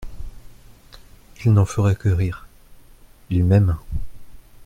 Il n’en ferait que rire ; il m’aime.